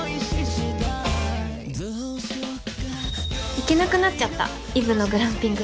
行けなくなっちゃったイブのグランピング。